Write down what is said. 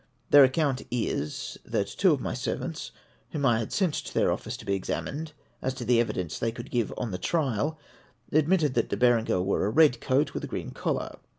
Their ac count is, that two of my servants, Avhom I had sent to their office to be examined as to the evidence they could give on the trial, admitted that De Berenger wore a red coat with a green collar.